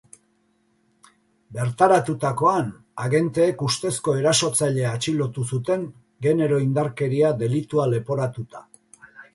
Bertaratutakoan, agenteek ustezko erasotzailea atxilotu zuten genero indarkeria delitua leporatuta.